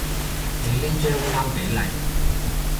你呢張啱比例